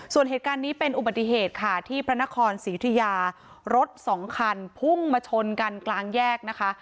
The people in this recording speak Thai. ส่วนเหตุการณ์นี้เป็นอุบัติเหตุค่ะที่พระนครศรีอุทิยารถสองคันพุ่งมาชนกันกลางแยกนะคะ